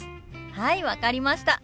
はい分かりました！